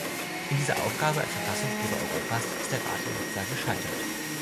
In dieser Aufgabe als Verfassungsgeber Europas ist der Rat in Nizza gescheitert.